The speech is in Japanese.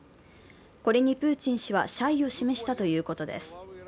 これにプーチン氏は謝意を示したということです。